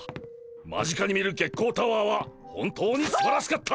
間近に見る月光タワーは本当にすばらしかった！